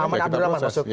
aman abdul rahman masuk